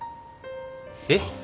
えっ！？